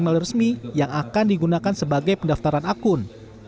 melalui resmi yang akan digunakan sebagai pendaftaran akun